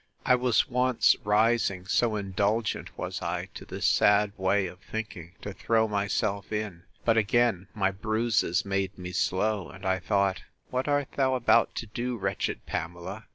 I was once rising, so indulgent was I to this sad way of thinking, to throw myself in: But, again, my bruises made me slow; and I thought, What art thou about to do, wretched Pamela?